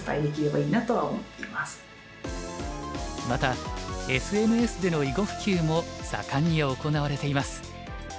またＳＮＳでの囲碁普及も盛んに行われています。